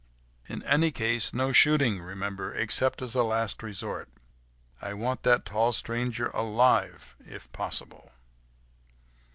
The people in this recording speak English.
In any case no shooting, remember, except as a last resort. I want that tall stranger alive ... if possible."